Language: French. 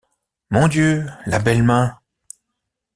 Mon Dieu, la belle main!